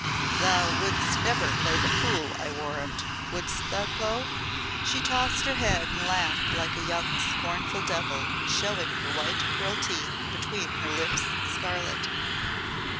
Thou wouldst never play the fool, I warrant wouldst thou, Clo?" She tossed her head and laughed like a young scornful devil, showing her white pearl teeth between her lips' scarlet.